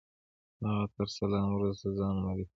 هغه تر سلام وروسته ځان معرفي کړ.